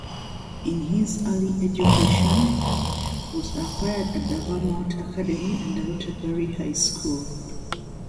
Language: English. His early education was acquired at the Vermont Academy and the Waterbury High School.